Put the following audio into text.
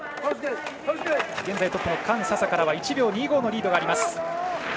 現在トップの韓沙沙からは１秒２５のリードがあります。